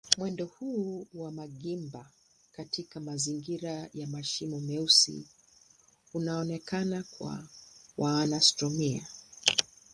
Mwendo huu wa magimba katika mazingira ya mashimo meusi unaonekana kwa wanaastronomia.